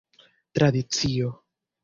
tradicio